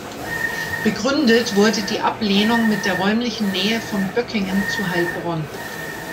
Begründet wurde die Ablehnung mit der räumlichen Nähe von Böckingen zu Heilbronn.